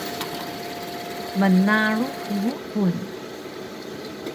Mnarux gupun